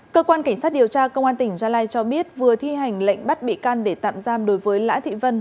cơ quan cảnh sát điều tra công an tỉnh gia lai cho biết vừa thi hành lệnh bắt bị can để tạm giam đối với lã thị vân